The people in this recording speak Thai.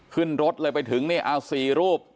ขึ้นรถเลยไปถึงนี่เอา๔รูป